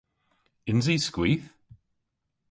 Yns i skwith?